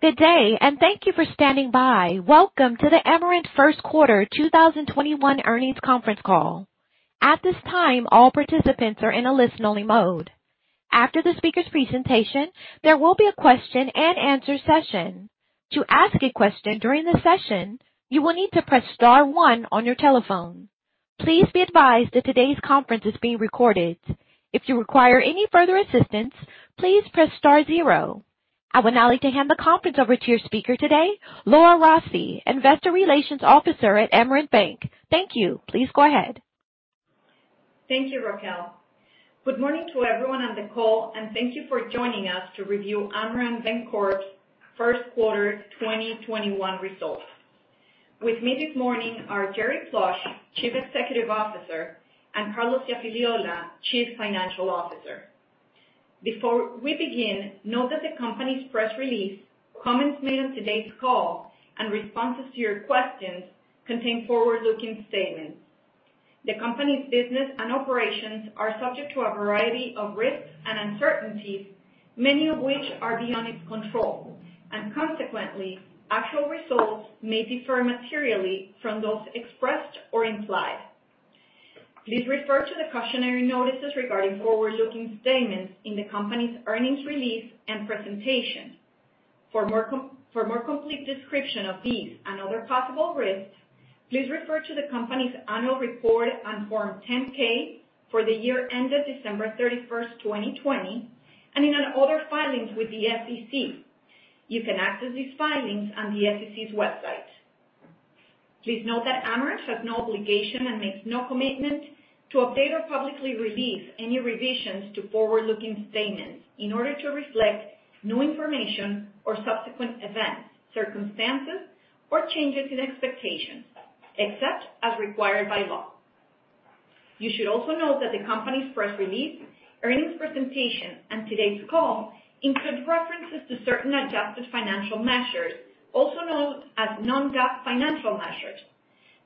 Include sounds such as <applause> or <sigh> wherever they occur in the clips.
Good day, and thank you for standing by. Welcome to the Amerant first quarter 2021 earnings conference call. At this time, all participants are in a listen only mode. After the speaker's presentation, there will be a question and answer session. To ask a question during the session, you will need to press star one on your telephone. Please be advised that today's conference is being recorded. If you require any further assistance, please press star zero. I would now like to hand the conference over to your speaker today, Laura Rossi, Investor Relations Officer at Amerant Bank. Thank you. Please go ahead. Thank you, Raquel. Good morning to everyone on the call, and thank you for joining us to review Amerant Bancorp first quarter 2021 results. With me this morning are Jerry Plush, Chief Executive Officer, and Carlos Iafigliola, Chief Financial Officer. Before we begin, note that the company's press release, comments made on today's call, and responses to your questions contain forward-looking statements. The company's business and operations are subject to a variety of risks and uncertainties, many of which are beyond its control. Consequently, actual results may differ materially from those expressed or implied. Please refer to the cautionary notices regarding forward-looking statements in the company's earnings release and presentation. For a more complete description of these and other possible risks, please refer to the company's annual report on Form 10-K for the year ended December 31, 2020, and in other filings with the SEC. You can access these filings on the SEC's website. Please note that Amerant has no obligation and makes no commitment to update or publicly release any revisions to forward-looking statements in order to reflect new information or subsequent events, circumstances, or changes in expectations, except as required by law. You should also note that the company's press release, earnings presentation, and today's call include references to certain adjusted financial measures, also known as non-GAAP financial measures.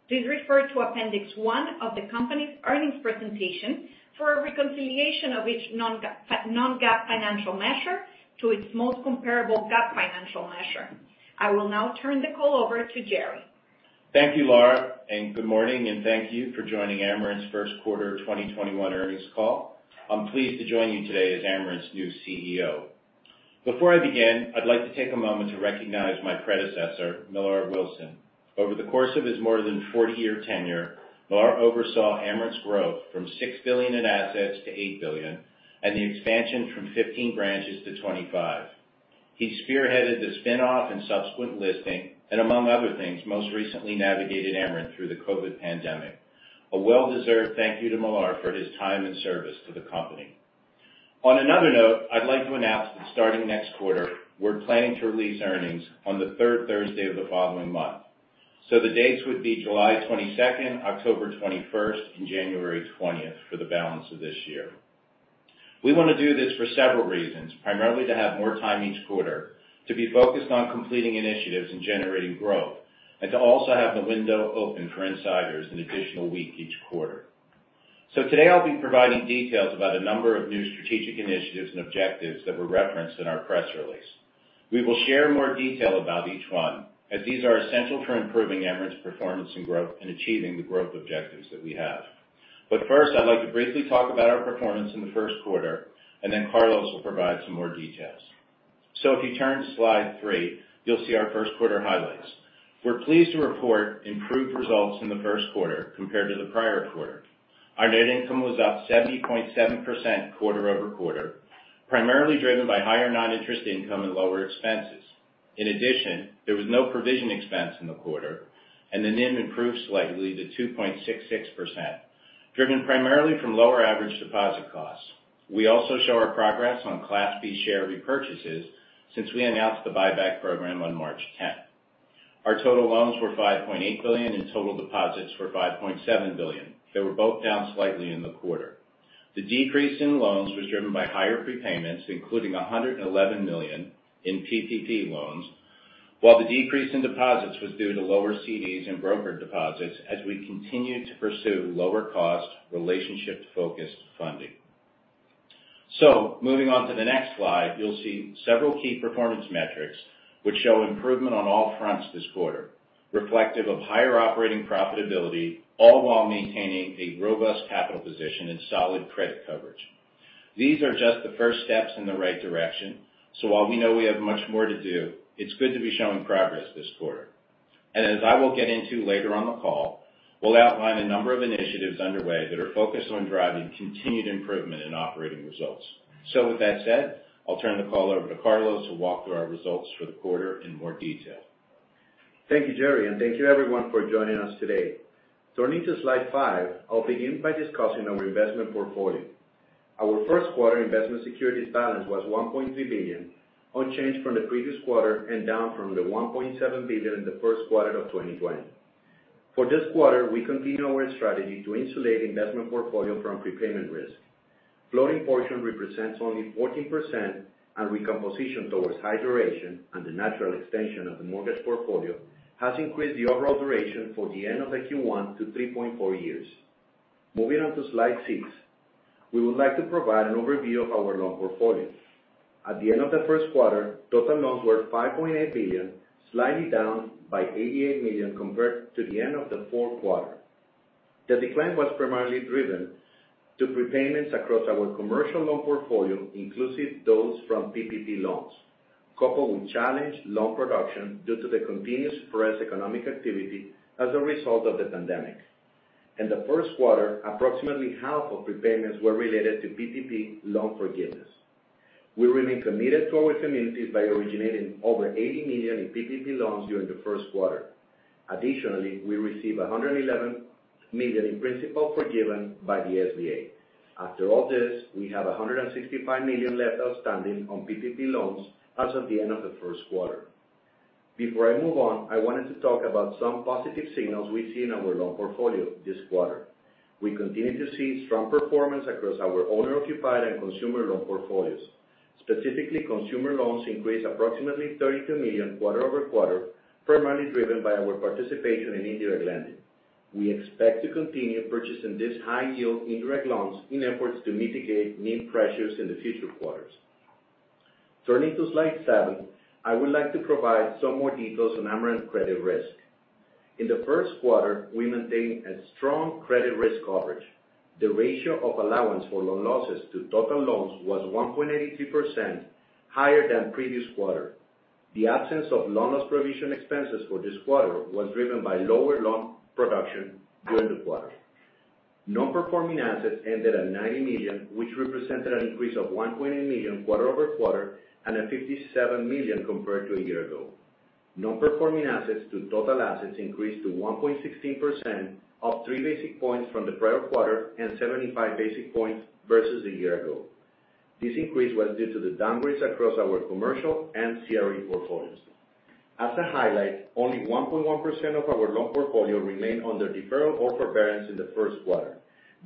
Please refer to Appendix one of the company's earnings presentation for a reconciliation of each non-GAAP financial measure to its most comparable GAAP financial measure. I will now turn the call over to Jerry. Thank you, Laura, good morning, and thank you for joining Amerant's first quarter 2021 earnings call. I'm pleased to join you today as Amerant's new CEO. Before I begin, I'd like to take a moment to recognize my predecessor, Millar Wilson. Over the course of his more than 40-year tenure, Millar oversaw Amerant's growth from $6 billion in assets to $8 billion and the expansion from 15 branches to 25. He spearheaded the spinoff and subsequent listing, among other things, most recently navigated Amerant through the COVID pandemic. A well-deserved thank you to Millar for his time and service to the company. On another note, I'd like to announce that starting next quarter, we're planning to release earnings on the third Thursday of the following month. The dates would be July 22nd, October 21st, and January 20th for the balance of this year. We want to do this for several reasons, primarily to have more time each quarter to be focused on completing initiatives and generating growth, to also have the window open for insiders an additional week each quarter. Today I'll be providing details about a number of new strategic initiatives and objectives that were referenced in our press release. We will share more detail about each one as these are essential for improving Amerant's performance and growth and achieving the growth objectives that we have. First, I'd like to briefly talk about our performance in the first quarter, then Carlos will provide some more details. If you turn to slide three, you'll see our first quarter highlights. We're pleased to report improved results in the first quarter compared to the prior quarter. Our net income was up 70.7% quarter-over-quarter, primarily driven by higher non-interest income and lower expenses. In addition, there was no provision expense in the quarter, and the NIM improved slightly to 2.66%, driven primarily from lower average deposit costs. We also show our progress on Class B share repurchases since we announced the buyback program on March 10th. Our total loans were $5.8 billion, and total deposits were $5.7 billion. They were both down slightly in the quarter. The decrease in loans was driven by higher prepayments, including $111 million in PPP loans, while the decrease in deposits was due to lower CDs and broker deposits as we continue to pursue lower cost, relationship-focused funding. Moving on to the next slide, you'll see several key performance metrics which show improvement on all fronts this quarter, reflective of higher operating profitability, all while maintaining a robust capital position and solid credit coverage. These are just the first steps in the right direction. While we know we have much more to do, it's good to be showing progress this quarter. As I will get into later on the call, we'll outline a number of initiatives underway that are focused on driving continued improvement in operating results. With that said, I'll turn the call over to Carlos to walk through our results for the quarter in more detail. Thank you, Jerry, and thank you everyone for joining us today. Turning to slide five, I'll begin by discussing our investment portfolio. Our first quarter investment securities balance was $1.3 billion, unchanged from the previous quarter and down from the $1.7 billion in the first quarter of 2020. For this quarter, we continue our strategy to insulate investment portfolio from prepayment risk. Floating portion represents only 14% and recomposition towards high duration and the natural extension of the mortgage portfolio has increased the overall duration for the end of the Q1 to 3.4 years. Moving on to slide six, we would like to provide an overview of our loan portfolio. At the end of the first quarter, total loans were $5.8 billion, slightly down by $88 million compared to the end of the fourth quarter. The decline was primarily driven to prepayments across our commercial loan portfolio, inclusive those from PPP loans, coupled with challenged loan production due to the continued suppressed economic activity as a result of the pandemic. In the first quarter, approximately half of prepayments were related to PPP loan forgiveness. We remain committed to our communities by originating over $80 million in PPP loans during the first quarter. Additionally, we received $111 million in principal forgiven by the SBA. After all this, we have $165 million left outstanding on PPP loans as of the end of the first quarter. Before I move on, I wanted to talk about some positive signals we see in our loan portfolio this quarter. We continue to see strong performance across our owner-occupied and consumer loan portfolios. Specifically, consumer loans increased approximately $32 million quarter-over-quarter, primarily driven by our participation in indirect lending. We expect to continue purchasing this high-yield indirect loans in efforts to mitigate NIM pressures in the future quarters. Turning to slide seven, I would like to provide some more details on Amerant credit risk. In the first quarter, we maintained a strong credit risk coverage. The ratio of allowance for loan losses to total loans was 1.83% higher than previous quarter. The absence of loan loss provision expenses for this quarter was driven by lower loan production during the quarter. Non-performing assets ended at $90 million, which represented an increase of $1.8 million quarter-over-quarter and $57 million compared to a year ago. Non-performing assets to total assets increased to 1.16%, up 3 basis points from the prior quarter and 75 basis points versus a year ago. This increase was due to the downgrades across our commercial and CRE portfolios. As a highlight, only 1.1% of our loan portfolio remained under deferral or forbearance in the first quarter,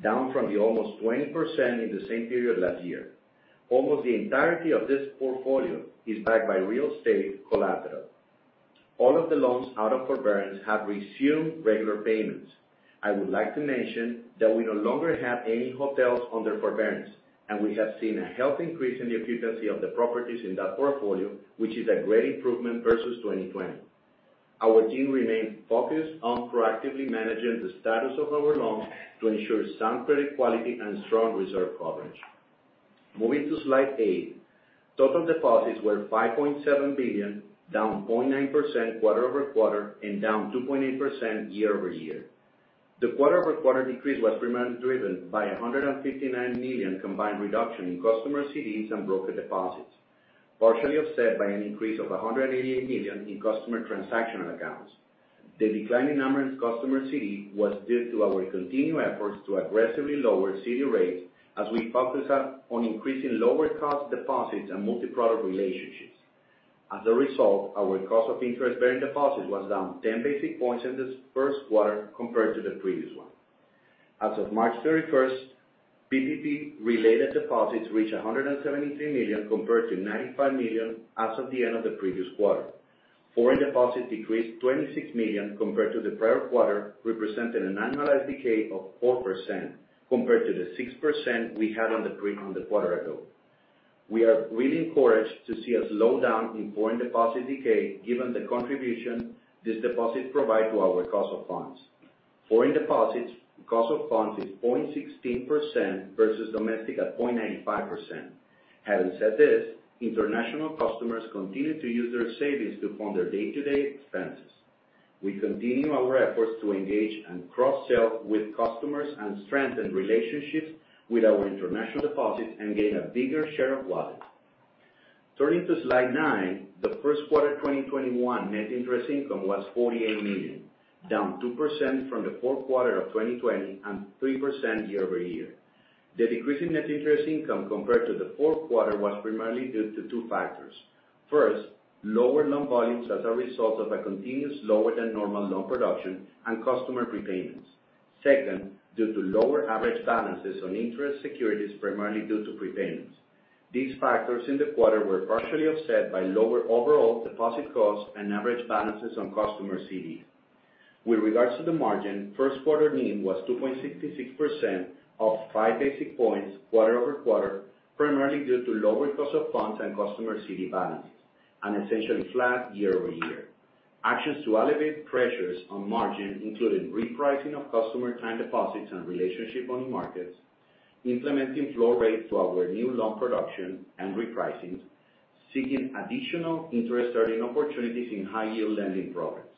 down from the almost 20% in the same period last year. Almost the entirety of this portfolio is backed by real estate collateral. All of the loans out of forbearance have resumed regular payments. I would like to mention that we no longer have any hotels under forbearance, and we have seen a healthy increase in the occupancy of the properties in that portfolio, which is a great improvement versus 2020. Our team remains focused on proactively managing the status of our loans to ensure sound credit quality and strong reserve coverage. Moving to slide eight. Total deposits were $5.7 billion, down 0.9% quarter-over-quarter and down 2.8% year-over-year. The quarter-over-quarter decrease was primarily driven by $159 million combined reduction in customer CDs and broker deposits, partially offset by an increase of $188 million in customer transactional accounts. The decline in Amerant customer CD was due to our continued efforts to aggressively lower CD rates as we focus on increasing lower-cost deposits and multi-product relationships. As a result, our cost of interest-bearing deposits was down 10 basis points in this first quarter compared to the previous one. As of March 31st, PPP-related deposits reached $173 million compared to $95 million as of the end of the previous quarter. Foreign deposits decreased $26 million compared to the prior quarter, representing an annualized decay of 4% compared to the 6% we had on the quarter ago. We are really encouraged to see a slowdown in foreign deposit decay given the contribution this deposit provide to our cost of funds. Foreign deposits cost of funds is 0.16% versus domestic at 0.95%. Having said this, international customers continue to use their savings to fund their day-to-day expenses. We continue our efforts to engage and cross-sell with customers and strengthen relationships with our international deposits and gain a bigger share of wallet. Turning to slide nine, the first quarter 2021 net interest income was $48 million, down 2% from the fourth quarter of 2020 and 3% year-over-year. The decrease in net interest income compared to the fourth quarter was primarily due to two factors. First, lower loan volumes as a result of a continuous lower than normal loan production and customer prepayments. Second, due to lower average balances on interest securities primarily due to prepayments. These factors in the quarter were partially offset by lower overall deposit costs and average balances on customer CDs. With regards to the margin, first quarter NIM was 2.66% up 5 basis points quarter-over-quarter, primarily due to lower cost of funds and customer CD balances, and essentially flat year-over-year. Actions to alleviate pressures on margin including repricing of customer time deposits and relationship money markets, implementing floor rates to our new loan production and repricing, seeking additional interest-earning opportunities in high-yield lending programs.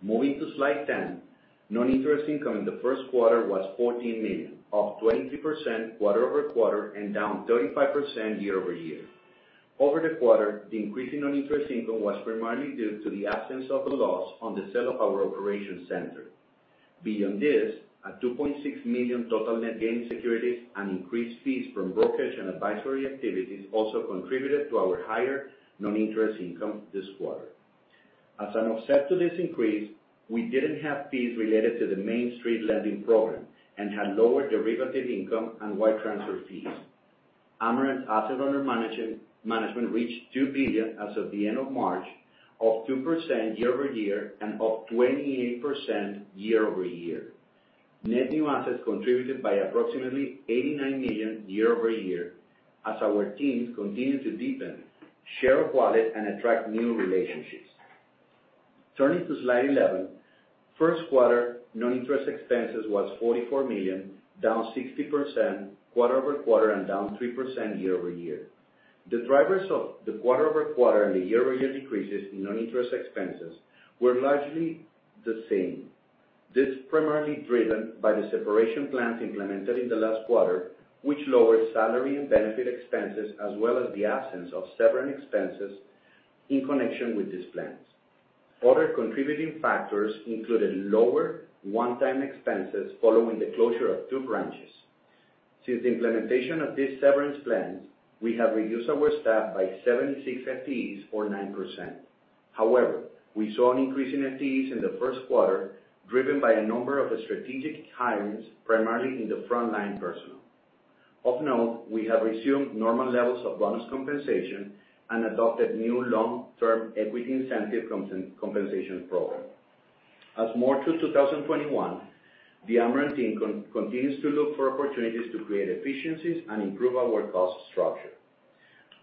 Moving to slide 10, non-interest income in the first quarter was $14 million, up 23% quarter-over-quarter and down 35% year-over-year. Over the quarter, the increase in non-interest income was primarily due to the absence of a loss on the sale of our operation center. Beyond this, a $2.6 million total net gain securities and increased fees from brokerage and advisory activities also contributed to our higher non-interest income this quarter. As an offset to this increase, we didn't have fees related to the Main Street Lending Program and had lower derivative income and wire transfer fees. Amerant asset under management reached $2 billion as of the end of March, up 2% year-over-year and up 28% year-over-year. Net new assets contributed by approximately $89 million year-over-year, as our teams continue to deepen share of wallet and attract new relationships. Turning to slide 11. First quarter non-interest expenses was $44 million, down 60% quarter-over-quarter and down 3% year-over-year. The drivers of the quarter-over-quarter and the year-over-year decreases in non-interest expenses were largely the same. This is primarily driven by the separation plans implemented in the last quarter, which lowered salary and benefit expenses, as well as the absence of severance expenses in connection with these plans. Other contributing factors included lower one-time expenses following the closure of two branches. Since the implementation of this severance plan, we have reduced our staff by 76 FTEs or 9%. We saw an increase in FTEs in the first quarter, driven by a number of strategic hires, primarily in the front-line personnel. Of note, we have resumed normal levels of bonus compensation and adopted new long-term equity incentive compensation program. As of March 2021, the Amerant team continues to look for opportunities to create efficiencies and improve our cost structure.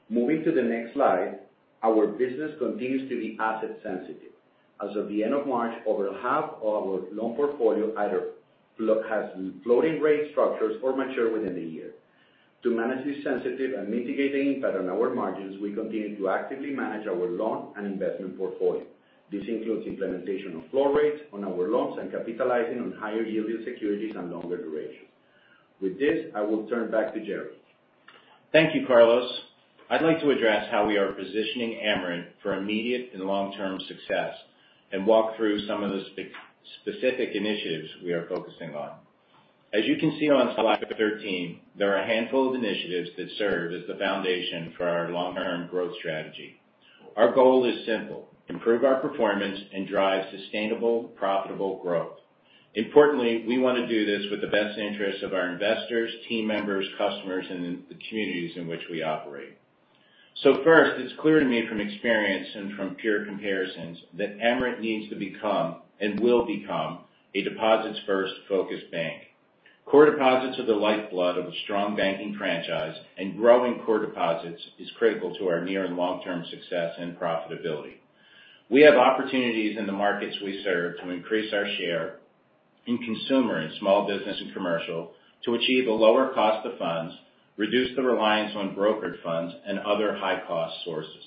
Moving to the next slide, our business continues to be asset sensitive. As of the end of March, over half of our loan portfolio either has floating rate structures or mature within a year. To manage this sensitivity and mitigate the impact on our margins, we continue to actively manage our loan and investment portfolio. This includes implementation of floor rates on our loans and capitalizing on higher yielding securities and longer duration. With this, I will turn back to Jerry. Thank you, Carlos. I'd like to address how we are positioning Amerant for immediate and long-term success and walk through some of the specific initiatives we are focusing on. As you can see on slide 13, there are a handful of initiatives that serve as the foundation for our long-term growth strategy. Our goal is simple. Improve our performance and drive sustainable, profitable growth. Importantly, we want to do this with the best interests of our investors, team members, customers, and the communities in which we operate. First, it's clear to me from experience and from peer comparisons that Amerant needs to become and will become a deposits-first focused bank. Core deposits are the lifeblood of a strong banking franchise. Growing core deposits is critical to our near and long-term success and profitability. We have opportunities in the markets we serve to increase our share in consumer, in small business, and commercial to achieve a lower cost of funds, reduce the reliance on brokered funds, and other high-cost sources.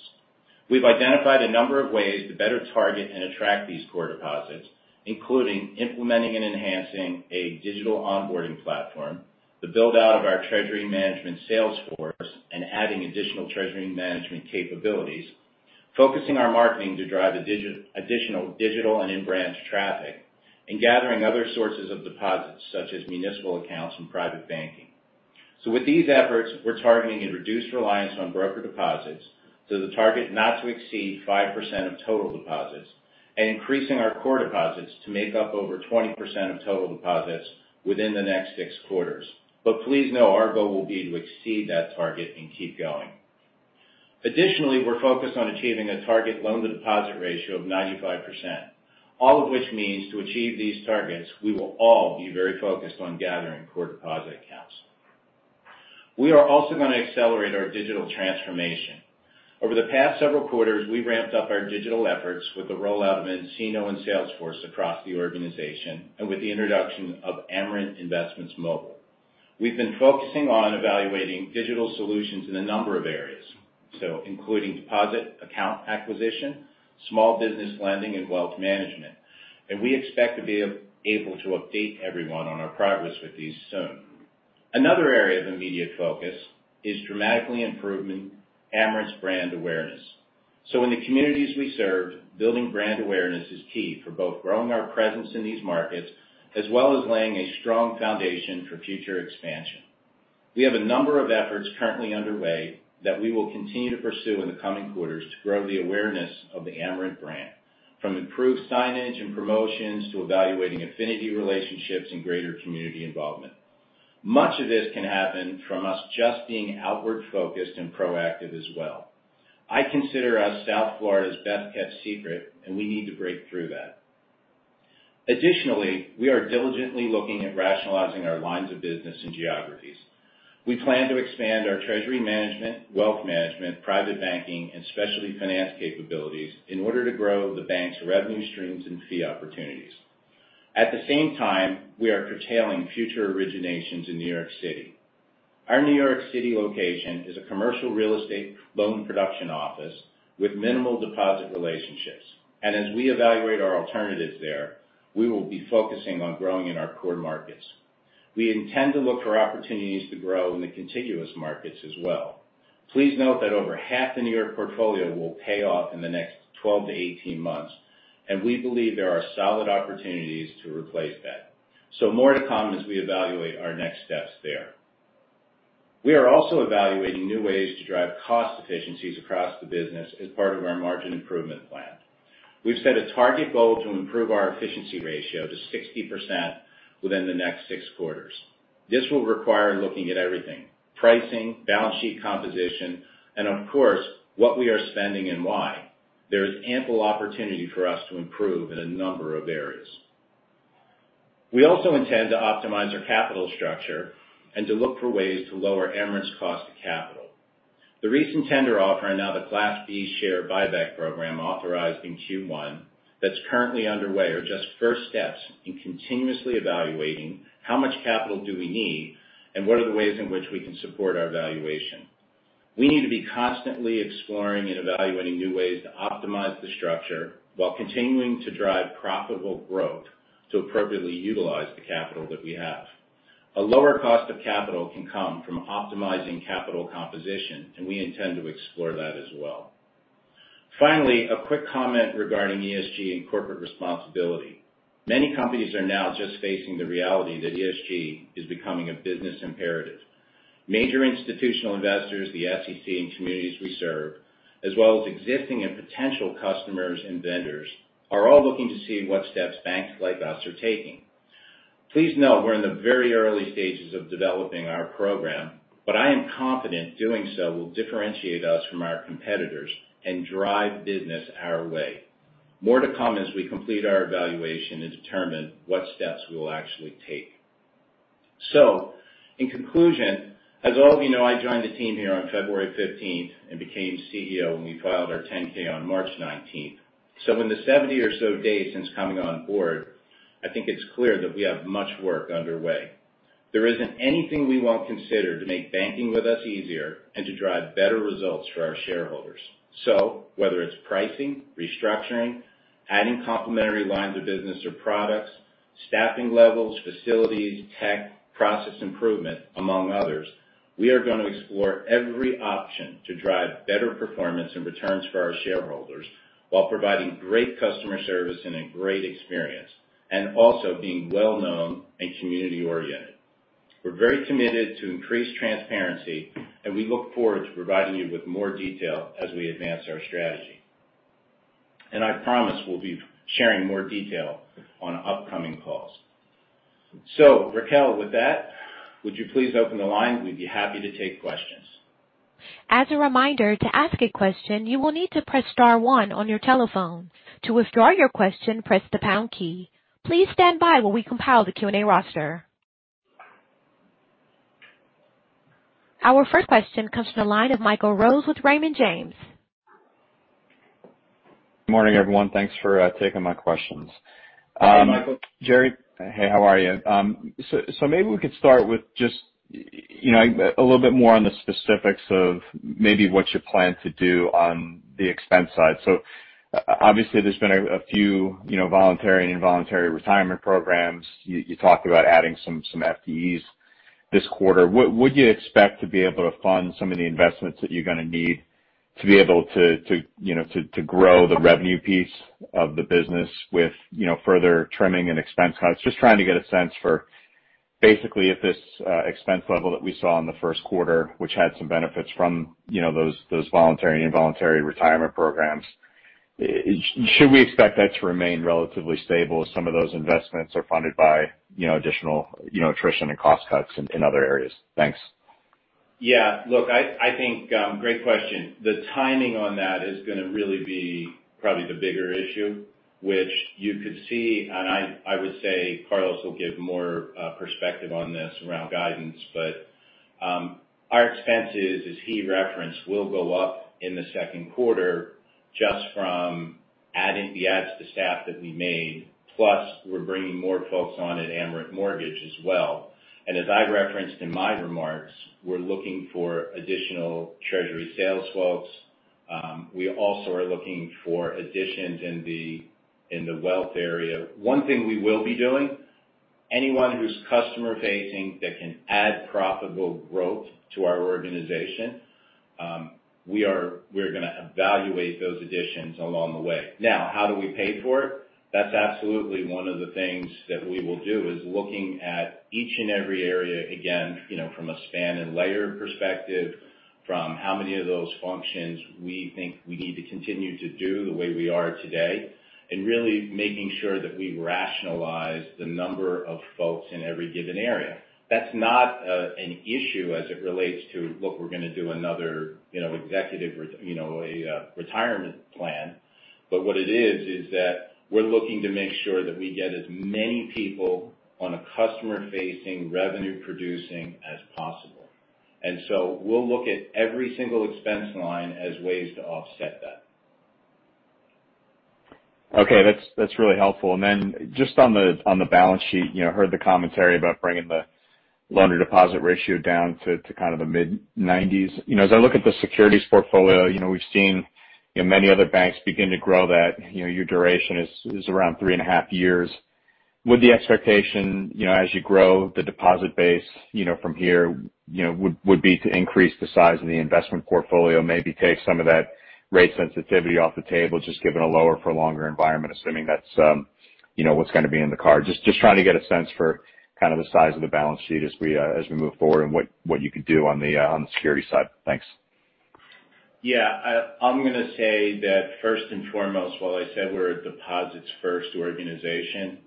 We've identified a number of ways to better target and attract these core deposits, including implementing and enhancing a digital onboarding platform, the build-out of our treasury management sales force, and adding additional treasury management capabilities, focusing our marketing to drive additional digital and in-branch traffic, and gathering other sources of deposits, such as municipal accounts and private banking. With these efforts, we're targeting a reduced reliance on brokered deposits to the target not to exceed 5% of total deposits and increasing our core deposits to make up over 20% of total deposits within the next six quarters. Please know our goal will be to exceed that target and keep going. Additionally, we're focused on achieving a target loan-to-deposit ratio of 95%. All of which means to achieve these targets, we will all be very focused on gathering core deposit accounts. We are also going to accelerate our digital transformation. Over the past several quarters, we ramped up our digital efforts with the rollout of nCino and Salesforce across the organization and with the introduction of Amerant Investments Mobile. We've been focusing on evaluating digital solutions in a number of areas. Including deposit account acquisition, small business lending, and wealth management. We expect to be able to update everyone on our progress with these soon. Another area of immediate focus is dramatically improving Amerant's brand awareness. In the communities we serve, building brand awareness is key for both growing our presence in these markets, as well as laying a strong foundation for future expansion. We have a number of efforts currently underway that we will continue to pursue in the coming quarters to grow the awareness of the Amerant brand. From improved signage and promotions to evaluating affinity relationships and greater community involvement. Much of this can happen from us just being outward-focused and proactive as well. I consider us South Florida's best-kept secret, and we need to break through that. Additionally, we are diligently looking at rationalizing our lines of business and geographies. We plan to expand our treasury management, wealth management, private banking, and specialty finance capabilities in order to grow the bank's revenue streams and fee opportunities. At the same time, we are curtailing future originations in New York City. Our New York City location is a commercial real estate loan production office with minimal deposit relationships. As we evaluate our alternatives there, we will be focusing on growing in our core markets. We intend to look for opportunities to grow in the contiguous markets as well. Please note that over half the New York portfolio will pay off in the next 12-18 months, and we believe there are solid opportunities to replace that. More to come as we evaluate our next steps there. We are also evaluating new ways to drive cost efficiencies across the business as part of our margin improvement plan. We've set a target goal to improve our efficiency ratio to 60% within the next six quarters. This will require looking at everything, pricing, balance sheet composition, and of course, what we are spending and why. There is ample opportunity for us to improve in a number of areas. We also intend to optimize our capital structure and to look for ways to lower Amerant's cost of capital. The recent tender offer and now the Class B share buyback program authorized in Q1 that's currently underway, are just first steps in continuously evaluating how much capital do we need and what are the ways in which we can support our valuation. We need to be constantly exploring and evaluating new ways to optimize the structure while continuing to drive profitable growth to appropriately utilize the capital that we have. A lower cost of capital can come from optimizing capital composition, and we intend to explore that as well. Finally, a quick comment regarding ESG and corporate responsibility. Many companies are now just facing the reality that ESG is becoming a business imperative. Major institutional investors, the SEC, and communities we serve, as well as existing and potential customers and vendors, are all looking to see what steps banks like us are taking. Please note we're in the very early stages of developing our program, but I am confident doing so will differentiate us from our competitors and drive business our way. More to come as we complete our evaluation and determine what steps we will actually take. In conclusion, as all of you know, I joined the team here on February 15th and became CEO when we filed our 10-K on March 19th. In the 70 or so days since coming on board, I think it's clear that we have much work underway. There isn't anything we won't consider to make banking with us easier and to drive better results for our shareholders. Whether it's pricing, restructuring, adding complementary lines of business or products, staffing levels, facilities, tech, process improvement, among others, we are going to explore every option to drive better performance and returns for our shareholders while providing great customer service and a great experience, and also being well-known and community oriented. We're very committed to increased transparency, and we look forward to providing you with more detail as we advance our strategy. I promise we'll be sharing more detail on upcoming calls. Raquel, with that, would you please open the line? We'd be happy to take questions. Our first question comes from the line of Michael Rose with Raymond James. Morning, everyone. Thanks for taking my questions. Hey, Michael. Jerry. Hey, how are you? Maybe we could start with just a little bit more on the specifics of maybe what you plan to do on the expense side. Obviously, there's been a few voluntary and involuntary retirement programs. You talked about adding some FTEs this quarter. Would you expect to be able to fund some of the investments that you're going to need to be able to grow the revenue piece of the business with further trimming and expense cuts? Just trying to get a sense for basically if this expense level that we saw in the first quarter, which had some benefits from those voluntary and involuntary retirement programs, should we expect that to remain relatively stable as some of those investments are funded by additional attrition and cost cuts in other areas? Thanks. Yeah, look, I think, great question. The timing on that is going to really be probably the bigger issue, which you could see, and I would say Carlos will give more perspective on this around guidance. Our expenses, as he referenced, will go up in the second quarter just from adding the adds to staff that we made. Plus, we're bringing more folks on at Amerant Mortgage as well. As I referenced in my remarks, we're looking for additional treasury sales folks. We also are looking for additions in the wealth area. One thing we will be doing, anyone who's customer facing that can add profitable growth to our organization, we're going to evaluate those additions along the way. Now, how do we pay for it? That's absolutely one of the things that we will do is looking at each and every area again, from a span and layer perspective, from how many of those functions we think we need to continue to do the way we are today, and really making sure that we rationalize the number of folks in every given area. That's not an issue as it relates to, look, we're going to do another executive retirement plan. What it is that we're looking to make sure that we get as many people on a customer-facing, revenue-producing as possible. We'll look at every single expense line as ways to offset that. Okay. That's really helpful. Just on the balance sheet, heard the commentary about bringing the loan-to-deposit ratio down to kind of the mid-90s. As I look at the securities portfolio, we've seen many other banks begin to grow that. Your duration is around three and a half years. Would the expectation as you grow the deposit base from here would be to increase the size of the investment portfolio, maybe take some of that rate sensitivity off the table, just given a lower for longer environment, assuming that's what's going to be in the card. Just trying to get a sense for kind of the size of the balance sheet as we move forward and what you could do on the security side. Thanks. Yeah. I'm going to say that first and foremost, while I said we're a deposits first organization,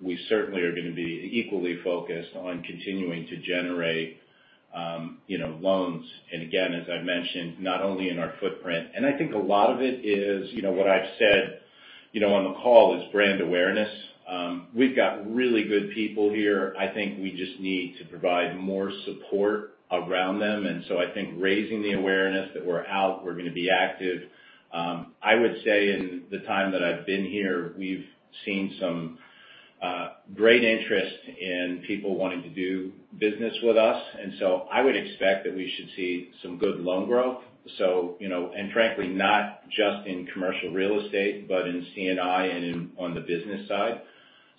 we certainly are going to be equally focused on continuing to generate loans, again, as I mentioned, not only in our footprint. I think a lot of it is what I've said on the call is brand awareness. We've got really good people here. I think we just need to provide more support around them. I think raising the awareness that we're out, we're going to be active. I would say in the time that I've been here, we've seen some great interest in people wanting to do business with us. I would expect that we should see some good loan growth, frankly, not just in commercial real estate, but in C&I and on the business side.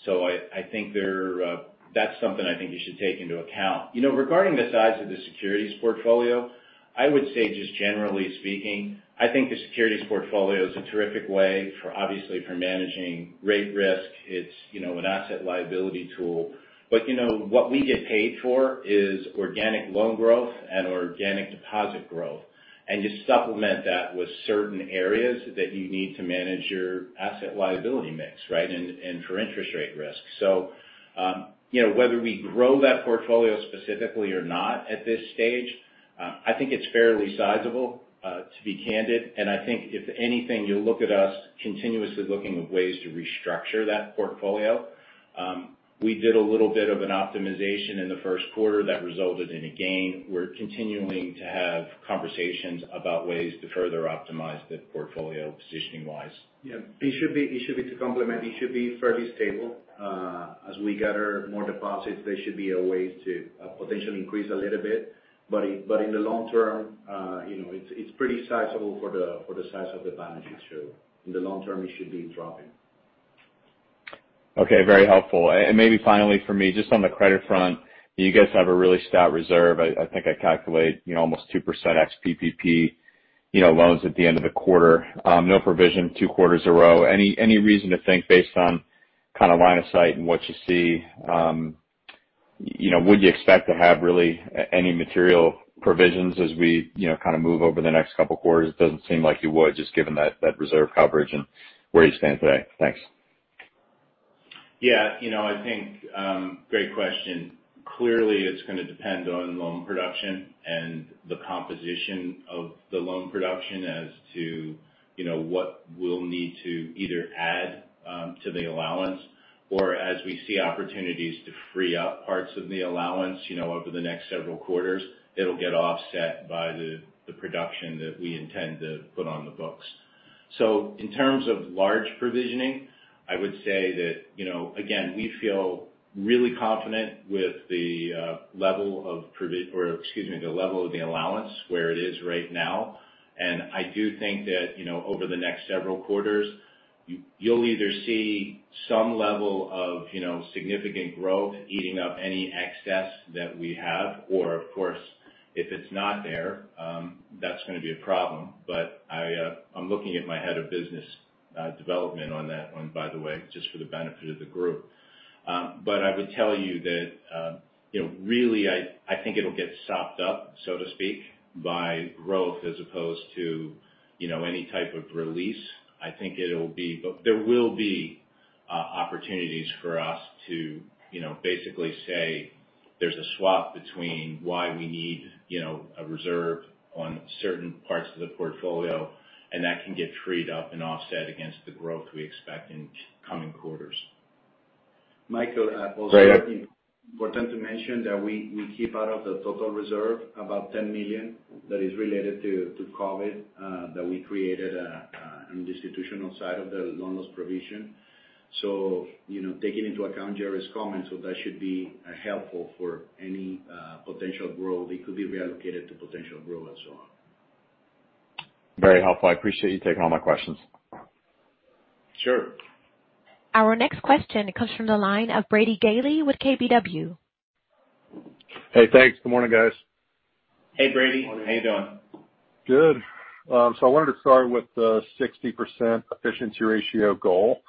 I think that's something I think you should take into account. Regarding the size of the securities portfolio, I would say just generally speaking, I think the securities portfolio is a terrific way, obviously, for managing rate risk. It's an asset liability tool. What we get paid for is organic loan growth and organic deposit growth, and you supplement that with certain areas that you need to manage your asset liability mix, right? For interest rate risk. Whether we grow that portfolio specifically or not at this stage, I think it's fairly sizable, to be candid. I think if anything, you'll look at us continuously looking of ways to restructure that portfolio. We did a little bit of an optimization in the first quarter that resulted in a gain. We're continuing to have conversations about ways to further optimize the portfolio positioning wise. Yeah. It should be to complement. It should be fairly stable. As we gather more deposits, there should be a way to potentially increase a little bit. In the long term, it's pretty sizable for the size of the balance sheet too. In the long term, it should be dropping. Okay. Very helpful. Maybe finally for me, just on the credit front, you guys have a really stout reserve. I think I calculate almost 2% ex-PPP loans at the end of the quarter. No provision two quarters a row. Any reason to think based on kind of line of sight and what you see, would you expect to have really any material provisions as we kind of move over the next couple of quarters? It doesn't seem like you would just given that reserve coverage and where you stand today. Thanks. I think, great question. Clearly, it's going to depend on loan production and the composition of the loan production as to what we'll need to either add to the allowance or as we see opportunities to free up parts of the allowance over the next several quarters, it'll get offset by the production that we intend to put on the books. In terms of large provisioning, I would say that, again, we feel really confident with the level of the allowance where it is right now. I do think that over the next several quarters, you'll either see some level of significant growth eating up any excess that we have or, of course, if it's not there, that's going to be a problem. I'm looking at my head of business development on that one, by the way, just for the benefit of the group. I would tell you that really, I think it'll get sopped up, so to speak, by growth as opposed to any type of release. There will be opportunities for us to basically say there's a swap between why we need a reserve on certain parts of the portfolio, and that can get freed up and offset against the growth we expect in coming quarters. Michael. Right important to mention that we keep out of the total reserve about $10 million that is related to COVID that we created in the institutional side of the loan loss provision. Taking into account Jerry Plush's comments, so that should be helpful for any potential growth. It could be reallocated to potential growth and so on. Very helpful. I appreciate you taking all my questions. Sure. Our next question comes from the line of Brady Gailey with KBW. Hey, thanks. Good morning, guys. Hey, Brady. Morning. How you doing? Good. I wanted to start with the 60% efficiency ratio goal.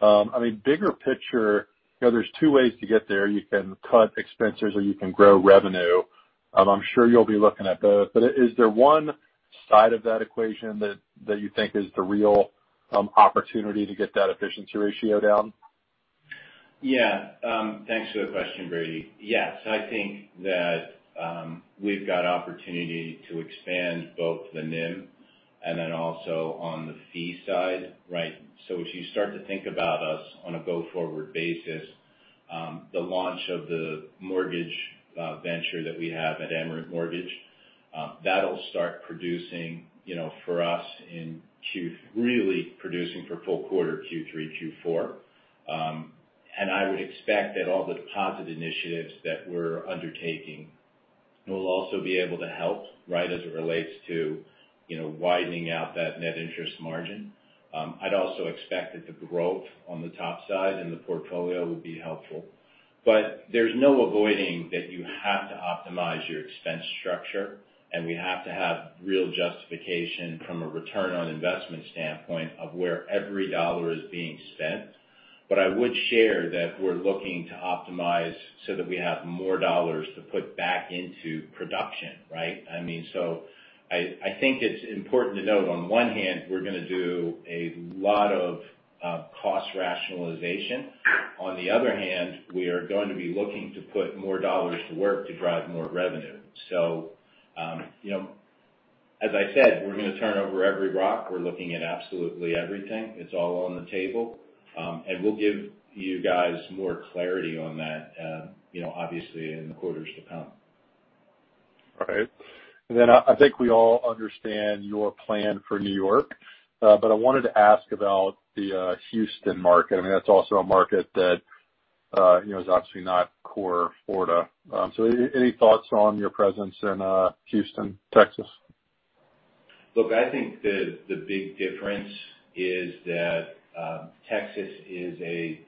I mean, bigger picture, there's two ways to get there. You can cut expenses or you can grow revenue. I'm sure you'll be looking at both, is there one side of that equation that you think is the real opportunity to get that efficiency ratio down? Yeah. Thanks for the question, Brady. Yes. I think that we've got opportunity to expand both the NIM and then also on the fee side, right? If you start to think about us on a go-forward basis, the launch of the mortgage venture that we have at Amerant Mortgage, that'll start producing for us really producing for full quarter Q3, Q4. I would expect that all the deposit initiatives that we're undertaking will also be able to help as it relates to widening out that net interest margin. I'd also expect that the growth on the top side and the portfolio would be helpful. There's no avoiding that you have to optimize your expense structure, and we have to have real justification from a return on investment standpoint of where every dollar is being spent. I would share that we're looking to optimize so that we have more dollars to put back into production, right? I think it's important to note on one hand, we're going to do a lot of cost rationalization. On the other hand, we are going to be looking to put more dollars to work to drive more revenue. As I said, we're going to turn over every rock. We're looking at absolutely everything. It's all on the table. We'll give you guys more clarity on that obviously in the quarters to come. All right. I think we all understand your plan for New York. I wanted to ask about the Houston market. I mean, that's also a market that is obviously not core Florida. Any thoughts on your presence in Houston, Texas? Look, I think the big difference is that Texas is a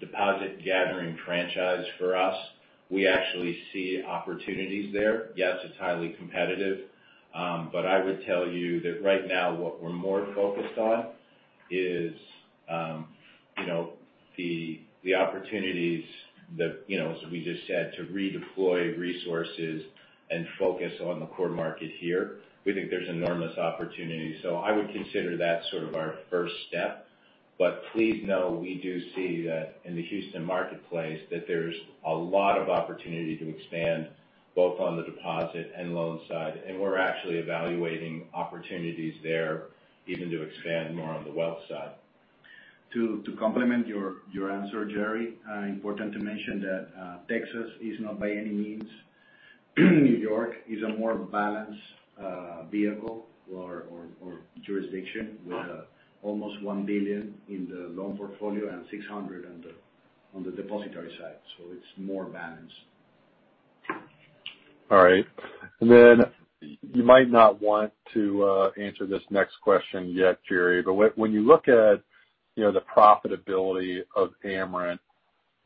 deposit gathering franchise for us. We actually see opportunities there. Yes, it's highly competitive. I would tell you that right now what we're more focused on is the opportunities that, as we just said, to redeploy resources and focus on the core market here. We think there's enormous opportunity. I would consider that sort of our first step. Please know, we do see that in the Houston marketplace, that there's a lot of opportunity to expand both on the deposit and loan side. We're actually evaluating opportunities there even to expand more on the wealth side. To complement your answer, Jerry, important to mention that Texas is not by any means New York. It's a more balanced vehicle or jurisdiction with almost $1 billion in the loan portfolio and $600 on the depository side. It's more balanced. All right. You might not want to answer this next question yet, Jerry. When you look at the profitability of Amerant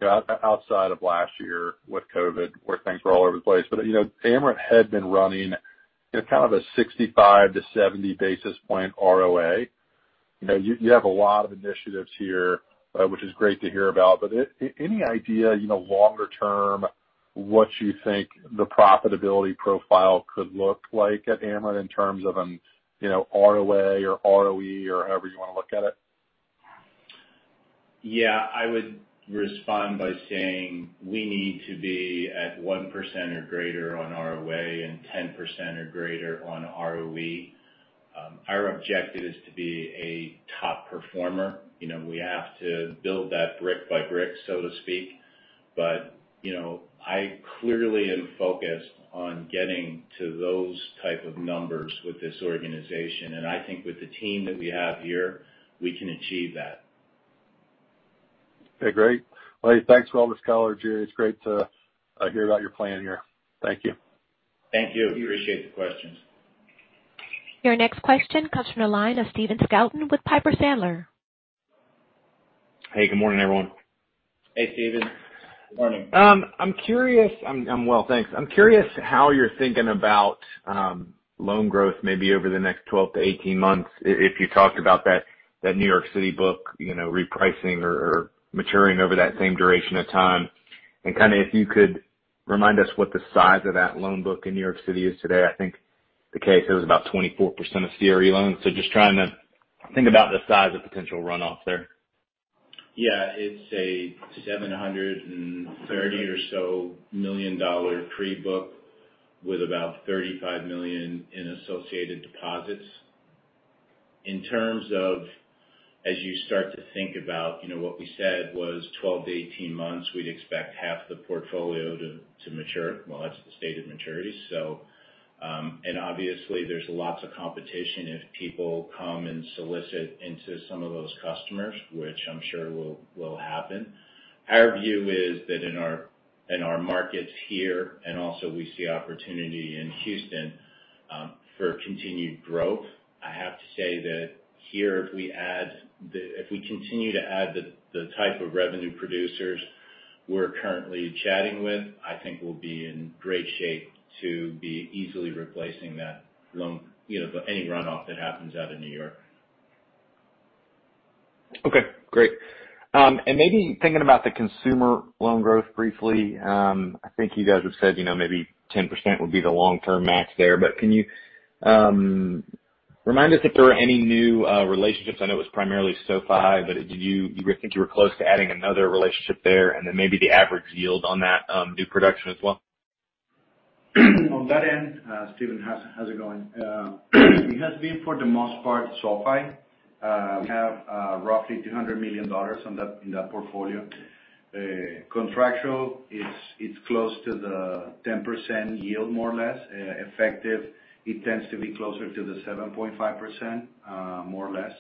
outside of last year with COVID, where things were all over the place. Amerant had been running kind of a 65 basis points to 70 basis points ROA. You have a lot of initiatives here, which is great to hear about. Any idea, longer term, what you think the profitability profile could look like at Amerant in terms of an ROA or ROE or however you want to look at it? Yeah. I would respond by saying we need to be at 1% or greater on ROA and 10% or greater on ROE. Our objective is to be a top performer. We have to build that brick by brick, so to speak. I clearly am focused on getting to those type of numbers with this organization. I think with the team that we have here, we can achieve that. Okay, great. Well, thanks for all this color, Jerry. It's great to hear about your plan here. Thank you. Thank you. Appreciate the questions. Your next question comes from the line of Stephen Scouten with Piper Sandler. Hey, good morning, everyone. Hey, Stephen. Good morning. I'm well, thanks. I'm curious how you're thinking about loan growth maybe over the next 12-18 months. If you talked about that New York City book repricing or maturing over that same duration of time. If you could remind us what the size of that loan book in New York City is today. I think the case was about 24% of CRE loans. Just trying to think about the size of potential runoff there. It's a $730 or so million <inaudible> book with about $35 million in associated deposits. In terms of as you start to think about what we said was 12-18 months, we'd expect half the portfolio to mature. That's the state of maturity. Obviously, there's lots of competition if people come and solicit into some of those customers, which I'm sure will happen. Our view is that in our markets here, and also we see opportunity in Houston for continued growth. I have to say that here, if we continue to add the type of revenue producers we're currently chatting with, I think we'll be in great shape to be easily replacing any runoff that happens out of New York. Okay. Great. Maybe thinking about the consumer loan growth briefly. I think you guys have said maybe 10% would be the long-term max there. Can you remind us if there are any new relationships? I know it was primarily SoFi, but do you think you were close to adding another relationship there? Then maybe the average yield on that new production as well? On that end, Stephen, how's it going? It has been, for the most part, SoFi. We have roughly $200 million in that portfolio. Contractual, it's close to the 10% yield, more or less. Effective, it tends to be closer to the 7.5%, more or less.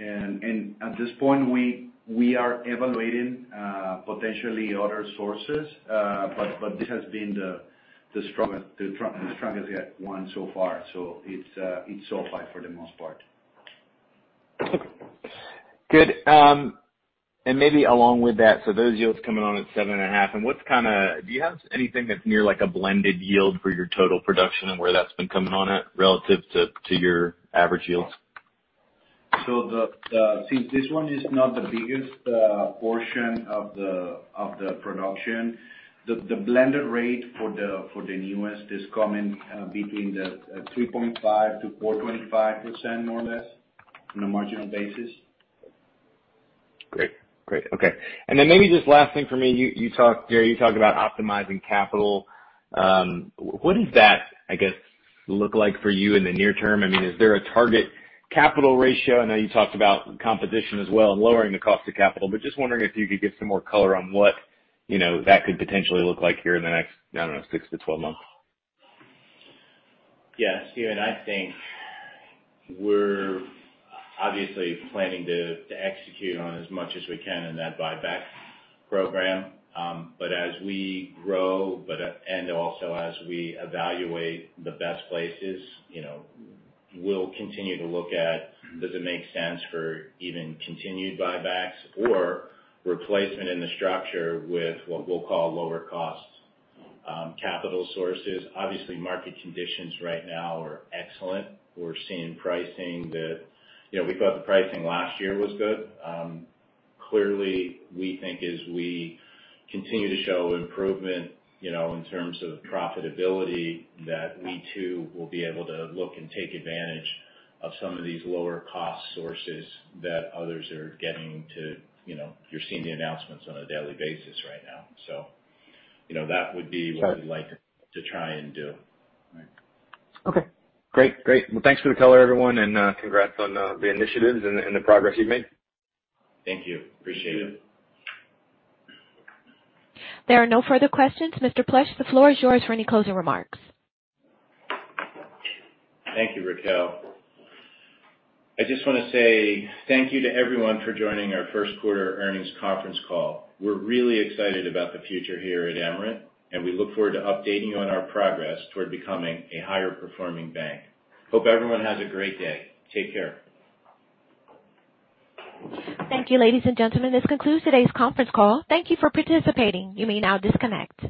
At this point, we are evaluating potentially other sources. This has been the strongest yet one so far. It's SoFi for the most part. Okay. Good. Maybe along with that, those yields coming on at 7.5%, do you have anything that's near like a blended yield for your total production and where that's been coming on at relative to your average yields? Since this one is not the biggest portion of the production, the blended rate for the newest is coming between the 3.5%-4.25%, more or less, on a marginal basis. Great. Okay. Maybe just last thing for me, Jerry, you talked about optimizing capital. What does that, I guess, look like for you in the near term? Is there a target capital ratio? I know you talked about competition as well and lowering the cost of capital, but just wondering if you could give some more color on what that could potentially look like here in the next, I don't know, six to 12 months. Stephen, I think we're obviously planning to execute on as much as we can in that buyback program. As we grow and also as we evaluate the best places, we'll continue to look at does it make sense for even continued buybacks or replacement in the structure with what we'll call lower cost capital sources. Market conditions right now are excellent. We're seeing pricing we thought the pricing last year was good. We think as we continue to show improvement in terms of profitability, that we too will be able to look and take advantage of some of these lower cost sources that others are getting to. You're seeing the announcements on a daily basis right now. That would be what we'd like to try and do. Okay. Great. Well, thanks for the color, everyone, and congrats on the initiatives and the progress you've made. Thank you. Appreciate it. There are no further questions. Mr. Plush, the floor is yours for any closing remarks. Thank you, Raquel. I just want to say thank you to everyone for joining our first quarter earnings conference call. We're really excited about the future here at Amerant, and we look forward to updating you on our progress toward becoming a higher performing bank. Hope everyone has a great day. Take care. Thank you, ladies and gentlemen. This concludes today's conference call. Thank you for participating. You may now disconnect.